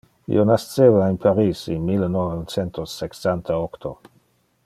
Io nasceva in Paris in mille novem centos sexanta-octo.